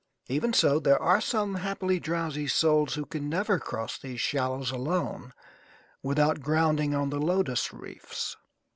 Even so, there are some happily drowsy souls who can never cross these shallows alone without grounding on the Lotus Reefs.